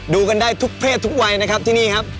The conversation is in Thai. ดูกันได้ทุกเพศทุกวัยนะครับที่นี่ครับ